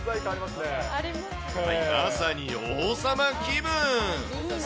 まさに王様気分。